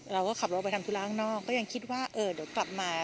เราก็ขับรถไปทำธุระข้างนอกก็ยังคิดว่าเออเดี๋ยวกลับมา